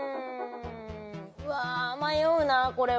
うわ迷うなこれは。